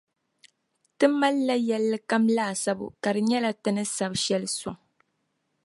Ti mali la yɛllikam laasabu, ka di nyɛla ti ni sabi shɛli sɔŋ.